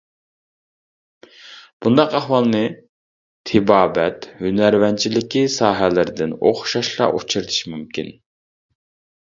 بۇنداق ئەھۋالنى تېبابەت، ھۈنەرۋەنچىلىكى ساھەلىرىدىن ئوخشاشلا ئۇچرىتىش مۇمكىن.